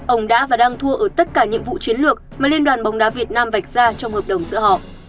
ông đã và đang thua ở tất cả nhiệm vụ chiến lược mà liên đoàn bóng đá việt nam vạch ra trong hợp đồng giữa họ